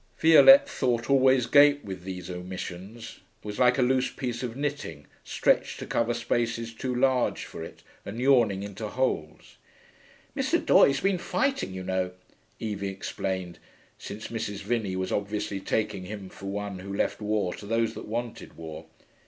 Violette thought always gaped with these large omissions; it was like a loose piece of knitting, stretched to cover spaces too large for it and yawning into holes. 'Mr. Doye's been fighting, you know,' Evie explained, since Mrs. Vinney was obviously taking him for one who left war to those that wanted war.